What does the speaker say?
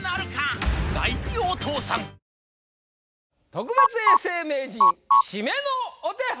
特別永世名人締めのお手本！